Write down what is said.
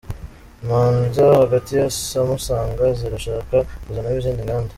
Imanza hagati ya Samusanga zirashaka kuzanamo Izindi Nganda